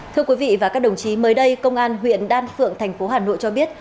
thưa quý vị và các đồng chí mới đây công an huyện đan phượng tp hà nội cho biết